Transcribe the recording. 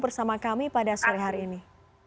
bersama kami pada sore hari ini